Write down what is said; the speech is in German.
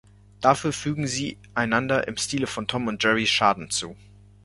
Dafür fügen sie einander im Stile von Tom und Jerry Schaden zu.